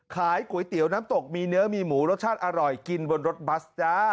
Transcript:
ขายก๋วยเตี๋ยวน้ำตกมีเนื้อมีหมูรสชาติอร่อยกินบนรถบัสจ้า